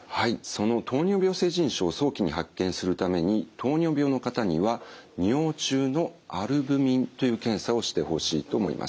その糖尿病性腎症を早期に発見するために糖尿病の方には尿中のアルブミンという検査をしてほしいと思います。